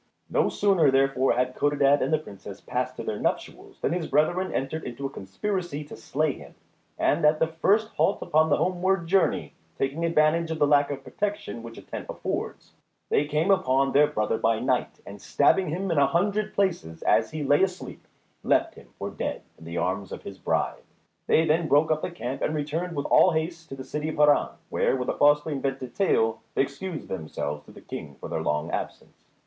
No sooner, therefore, had Codadad and the Princess passed to their nuptials, than his brethren entered into a conspiracy to slay him; and at the first halt upon the homeward journey, taking advantage of the lack of protection which a tent affords, they came upon their brother by night, and stabbing him in a hundred places as he lay asleep, left him for dead in the arms of his bride. They then broke up the camp and returned with all haste to the city of Harran, where, with a falsely invented tale they excused themselves to the King for their long absence.